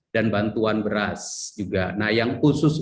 dan bantuan beras juga nah yang khusus